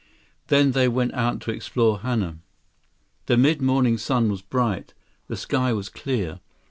Then they went out to explore Hana. The mid morning sun was bright. The sky was clear.